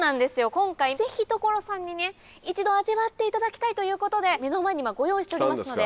今回ぜひ所さんに一度味わっていただきたいということで目の前に今ご用意しておりますので。